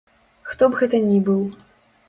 Хто б гэта ні быў.